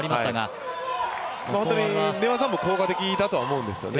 寝技も効果的だと思うんですよね。